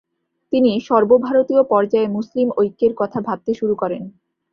তিনি সর্বভারতীয় পর্যায়ে মুসলিম ঐক্যের কথা ভাবতে শুরু করেন।